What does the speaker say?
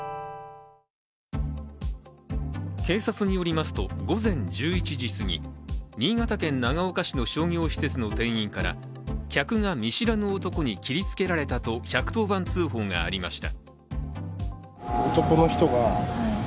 警察によりますと、午前１１時すぎ新潟県長岡市の商業施設の店員から客が見知らぬ男に切りつけられたと１１０番通報がありました。